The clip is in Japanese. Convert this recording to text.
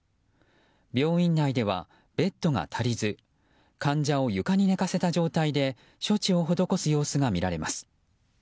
病院内では、ベッドが足りず患者を床に寝かせた状態で処置を施す様子が見られます。